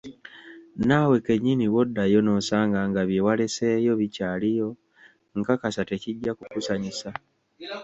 Naawe kennyini bwoddayo nosanga nga byewaleseeyo bikyaliyo, nkakasa tekijja kukusanyusa.